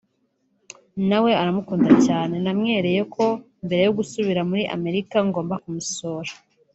na we arawukunda cyane […] Namwereye ko mbere yo gusubira muri Amerika ngomba kumusura